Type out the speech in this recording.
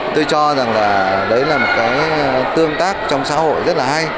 tôi cho rằng là đấy là một cái tương tác trong xã hội rất là hay